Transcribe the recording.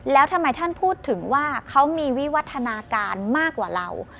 แล้วทำไมท่านพูดถึงว่าเขามีวิวัฒนาการมากกว่าเรา